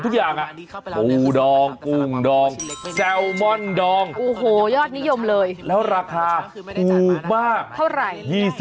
ทุกอย่างปูดองกุ้งดองแซลมอนดองโอ้โหยอดนิยมเลยแล้วราคาถูกมากเท่าไหร่